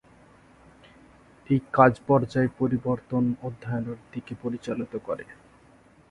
এই কাজ পর্যায় পরিবর্তন অধ্যয়নের দিকে পরিচালিত করে।